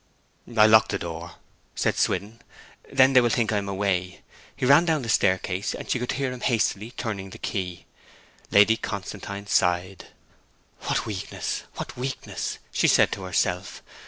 'I'll lock the door,' said Swithin. 'They will then think I am away.' He ran down the staircase, and she could hear him hastily turning the key. Lady Constantine sighed. 'What weakness, what weakness!' she said to herself.